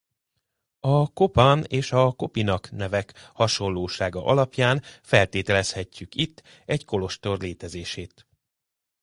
A Kopan és a Kopinac nevek hasonlósága alapján feltételezhetjük itt egy kolostor létezését.